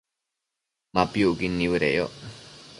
Ma piucquid nibëdeyoc